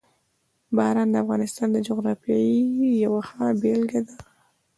باران د افغانستان د جغرافیې یوه ښه بېلګه ده.